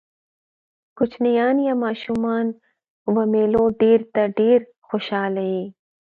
کوچنيان يا ماشومان و مېلو ډېر ته ډېر خوشحاله يي.